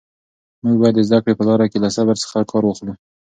موږ باید د زده کړې په لاره کې له صبر څخه کار واخلو.